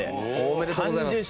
おめでとうございます。